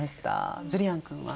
ジュリアン君は？